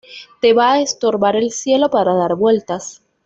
Te va a estorbar el cielo para dar vueltas